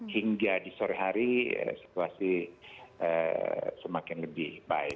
hingga di sore hari situasi semakin lebih baik